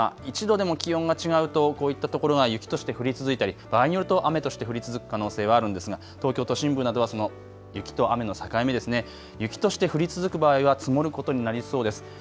１度でも気温が違うとこういったところは雪として降り続いたり場合によると雨として降り続く可能性はあるんですが東京都心部などはその雪と雨の境目ですね、雪として降り続く場合は積もることになりそうです。